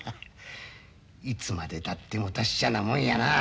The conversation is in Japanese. いつまでたっても達者なもんやな。